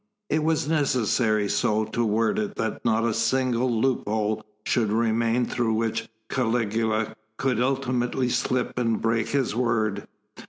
It was necessary so to word it that not a single loophole should remain through which Caligula could ultimately slip and break his word.